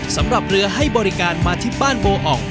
สำหรับเรือให้บริการมาที่บ้านโบอ่อง